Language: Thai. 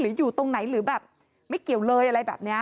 อยู่ตรงไหนหรือแบบไม่เกี่ยวเลยอะไรแบบนี้